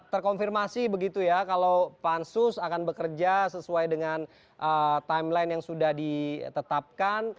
terkonfirmasi begitu ya kalau pansus akan bekerja sesuai dengan timeline yang sudah ditetapkan